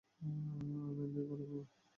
আর ম্যান্ডিও ভালো মেয়ে।